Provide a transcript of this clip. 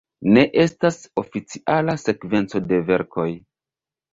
Ne estas oficiala sekvenco de verkoj.